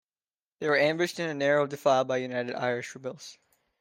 They were ambushed in a narrow defile by United Irish rebels.